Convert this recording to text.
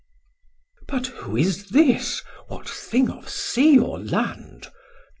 But who is this, what thing of Sea or Land?